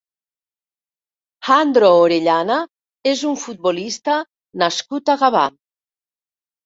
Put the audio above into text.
Jandro Orellana és un futbolista nascut a Gavà.